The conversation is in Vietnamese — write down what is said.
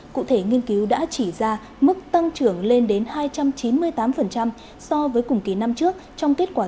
cụ thể nghiên cứu đã chỉ ra mức tăng trưởng lên đến hai trăm chín mươi tám so với cùng kỳ năm trước trong kết quả